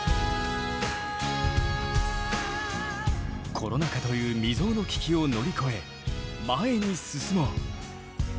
コロナ禍という未曽有の危機を乗り越え前に進もう。